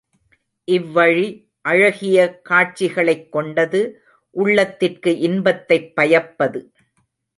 இவ்வழி அழகிய காட்சிகளைக் கொண்டது உள்ளத்திற்கு இன்பத்தைப் பயப்பது.